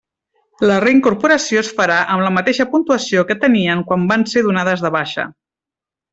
La reincorporació es farà amb la mateixa puntuació que tenien quan van ser donades de baixa.